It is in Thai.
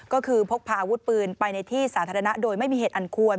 ก็คือพกพาอาวุธปืนไปในที่สาธารณะโดยไม่มีเหตุอันควร